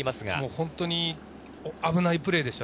本当に危ないプレーでした。